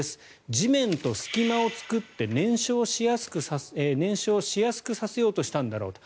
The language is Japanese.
地面と隙間を作って燃焼しやすくさせようとしたんだろうと。